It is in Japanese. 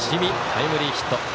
タイムリーヒット。